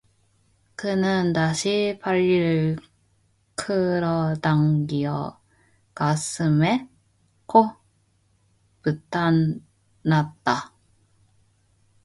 그는 다시 바리를 끌어당기어 가슴에 꼭 붙안았다.